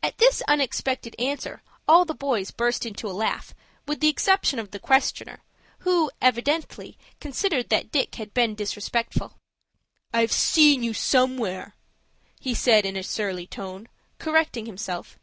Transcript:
At this unexpected answer all the boys burst into a laugh with the exception of the questioner, who, evidently, considered that Dick had been disrespectful. "I've seen you somewhere," he said, in a surly tone, correcting himself.